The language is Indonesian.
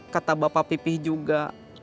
kata bapak pipi juga